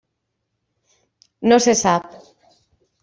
No se sap.